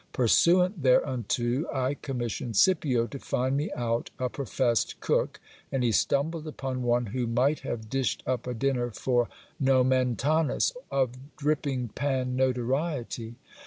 Pursuant thereunto, I commis sioned Scipio to find me out a professed cook, and he stumbled upon one who might have dished up a dinner for Xomentanus, of dripping pan notoriety.